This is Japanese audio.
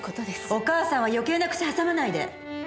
お母さんは余計な口挟まないで！